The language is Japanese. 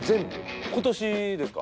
今年ですか？